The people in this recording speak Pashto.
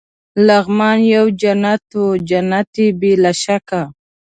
لغمان یو جنت وو، جنت يې بې له شکه.